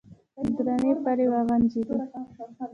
درنې پلې وغنجېدې.